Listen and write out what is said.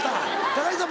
高市さん